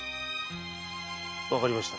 わかりました。